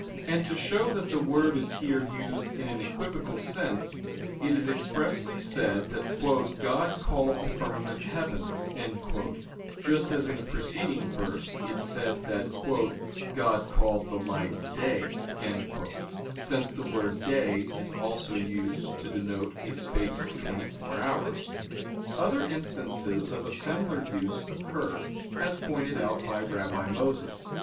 And to show that the word is here used in an equivocal sense, it is expressly said that "God called the firmament heaven"; just as in a preceding verse it said that "God called the light day" (since the word "day" is also used to denote a space of twenty four hours). Other instances of a similar use occur, as pointed out by Rabbi Moses.